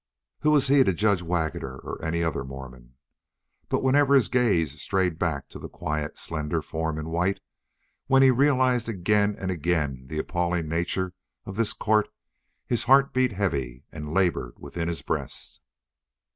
Who was he to judge Waggoner or any other Mormon? But whenever his glance strayed back to the quiet, slender form in white, when he realized again and again the appalling nature of this court, his heart beat heavy and labored within his breast.